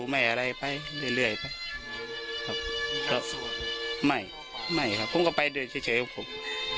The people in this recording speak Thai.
มานอ้ะเอาก็มึง